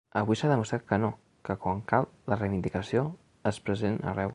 Avui s’ha demostrat que no, que quan cal la reivindicació és present arreu.